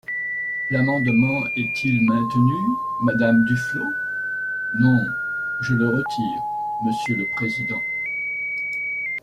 L’amendement est-il maintenu, Madame Duflot ? Non, je le retire, monsieur le président.